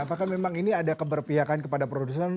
apakah memang ini ada keberpihakan kepada produsen